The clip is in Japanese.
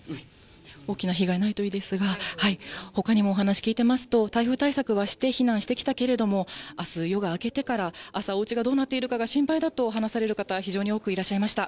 大きな被害ないといいですが、ほかにもお話聞いてますと、台風対策はして避難してきたけれども、あす、夜が明けてから、おうちがどうなっているか心配だと話される方、非常に多くいらっしゃいました。